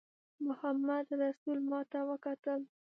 محمدرسول ماته وکتل.